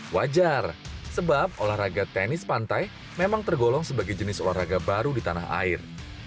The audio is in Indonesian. wajar sebab olahraga tenis pantai memang tergolong sebagai jenis olahraga baru di tanah air